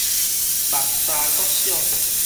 木柵國小